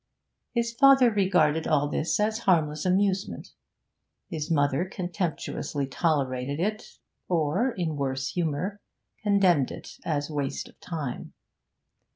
His father regarded all this as harmless amusement, his mother contemptuously tolerated it or, in worse humour, condemned it as waste of time.